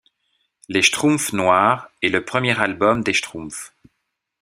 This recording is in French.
Les Schtroumpfs Noirs est le premier album des Schtroumpfs.